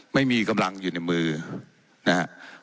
ไม่มีกำลังอยู่ในมือนะครับ